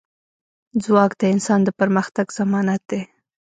ځواک د انسان د پرمختګ ضمانت دی.